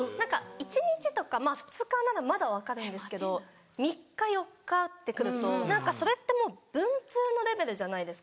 １日とか２日ならまだ分かるんですけど３日４日ってくるとそれってもう文通のレベルじゃないですか。